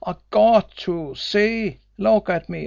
"I GOT to see! Look at me!